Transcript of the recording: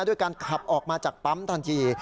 ด้วยการขับออกมาจากปั๊มทันที